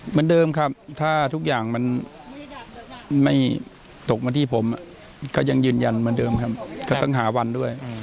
เหมือนเดิมครับถ้าทุกอย่างมันไม่ตกมาที่ผมก็ยังยืนยันเหมือนเดิมครับก็ต้องหาวันด้วย